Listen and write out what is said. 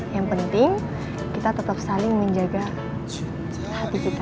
yang penting kita tetap saling menjaga hati kita